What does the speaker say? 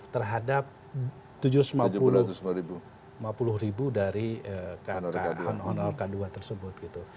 terhadap tujuh ratus lima puluh ribu dari kkn k dua tersebut gitu